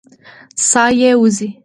ساه یې وځي.